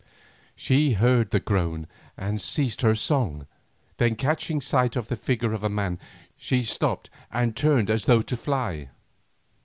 She heard the groan and ceased her song, then catching sight of the figure of a man, she stopped and turned as though to fly.